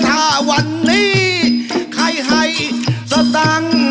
ถ้าวันนี้ใครให้สตังค์